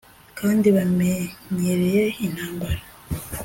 kandi bamenyereye intambara